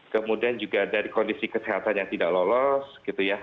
kemudian juga dari kondisi kesehatan yang tidak lolos gitu ya